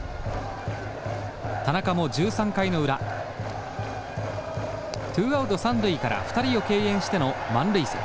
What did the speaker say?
田中も１３回の裏ツーアウト三塁から２人を敬遠しての満塁策。